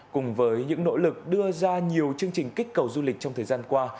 cùng với những nỗ lực đưa ra nhiều chương trình kích cầu du lịch trong thời gian qua